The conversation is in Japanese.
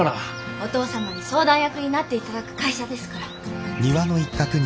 お義父様に相談役になって頂く会社ですから。